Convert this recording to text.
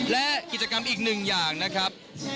และกิจกรรมอีกหนึ่งอย่างนะครับ